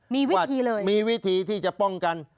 มีวิธีเลยมีวิธีที่จะป้องกัน